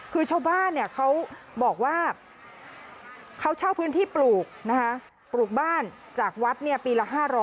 คือชาวบ้านเขาบอกว่าเขาเช่าพื้นที่ปลูกนะคะปลูกบ้านจากวัดปีละ๕๐๐